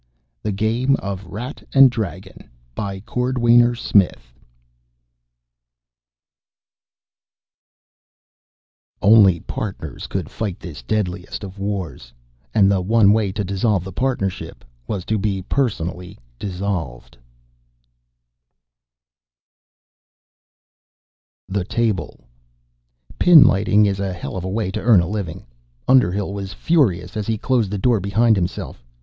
The Game of Rat and Dragon By CORDWAINER SMITH _Only partners could fight this deadliest of wars and the one way to dissolve the partnership was to be personally dissolved!_ Illustrated by HUNTER THE TABLE Pinlighting is a hell of a way to earn a living. Underhill was furious as he closed the door behind himself.